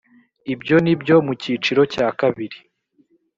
ibyo nibyo mu cyiciro cya kabiri